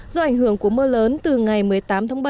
do ảnh hưởng của mưa lớn từ ngày một mươi tám tháng bảy